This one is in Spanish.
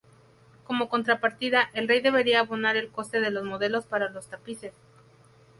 Como contrapartida, el rey debería abonar el coste de los modelos para los tapices.